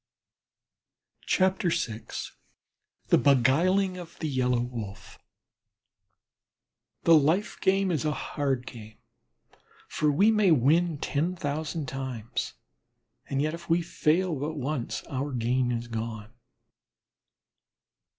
VI THE BEGUILING OF THE YELLOW WOLF The life game is a hard game, for we may win ten thousand times, and if we fail but once our gain is gone.